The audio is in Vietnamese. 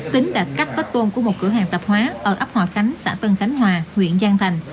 tính đã cắt vết tôn của một cửa hàng tạp hóa ở ấp hòa khánh xã tân khánh hòa huyện giang thành